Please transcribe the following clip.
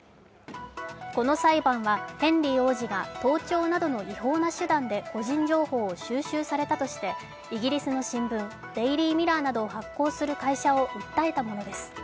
この裁判はヘンリー王子が盗聴などの違法な手段で個人情報を収集されたとしてイギリスの新聞、「デイリー・ミラー」などを発行する会社を訴えたものです。